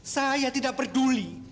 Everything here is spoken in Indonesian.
saya tidak peduli